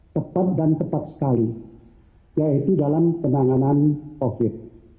tepat dan tepat sekali yaitu dalam penanganan covid